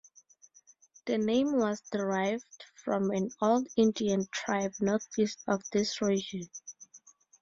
The name was derived from an old Indian tribe northeast of this region.